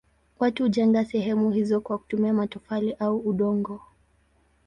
Watu hujenga sehemu hizo kwa kutumia matofali au udongo.